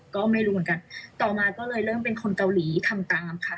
ก็ไม่รู้เหมือนกันต่อมาก็เลยเริ่มเป็นคนเกาหลีทำตามค่ะ